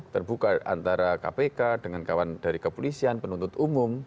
terbuka antara kpk dengan kawan dari kepolisian penuntut umum